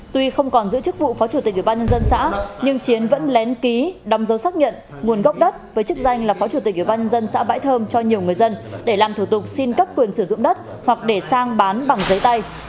tuy không còn giữ chức vụ phó chủ tịch ủy ban nhân dân xã nhưng chiến vẫn lén ký đóng dấu xác nhận nguồn gốc đất với chức danh là phó chủ tịch ủy ban nhân dân xã bãi thơm cho nhiều người dân để làm thủ tục xin cấp quyền sử dụng đất hoặc để sang bán bằng giấy tay